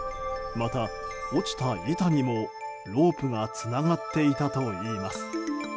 また、落ちた板にもロープがつながっていたといいます。